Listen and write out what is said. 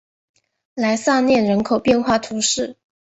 萨莱涅人口变化图示